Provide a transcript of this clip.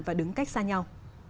và đứng cách xa nhau